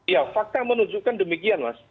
ya fakta menunjukkan demikian mas